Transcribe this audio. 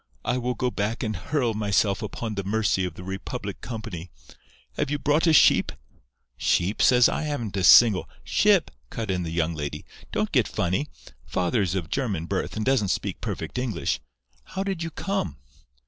I will go back and hurl myself upon the mercy of the Republic Company. Have you brought a sheep?' "'Sheep!' says I; 'I haven't a single—' "'Ship,' cut in the young lady. 'Don't get funny. Father is of German birth, and doesn't speak perfect English. How did you come?